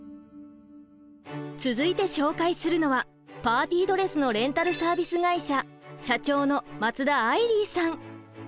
続いて紹介するのはパーティードレスのレンタル・サービス会社社長の松田愛里さん。